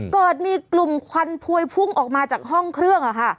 เกิดมีกลุ่มควันพวยพุ่งออกมาจากห้องเครื่อง